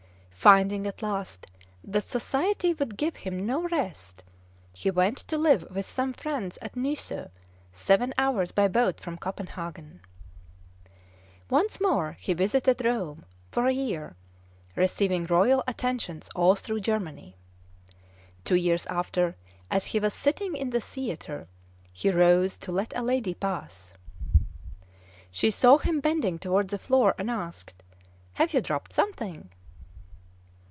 Finding at last that society would give him no rest, he went to live with some friends at Nyso, seven hours by boat from Copenhagen. Once more he visited Rome, for a year, receiving royal attentions all through Germany. Two years after, as he was sitting in the theatre, he rose to let a lady pass. She saw him bending toward the floor, and asked, "Have you dropped something?"